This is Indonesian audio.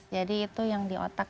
jadi itu yang di otak